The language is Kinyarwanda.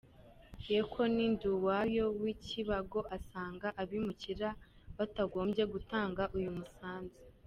Yekonie Nduwayo w’i Kibago asanga abimukira batagombye gutanga uyu musanzu.